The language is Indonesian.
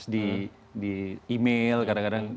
di email kadang kadang